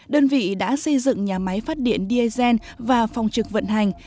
đơn vị đã xây dựng nhà máy phát điện d agen và phòng trực vận hành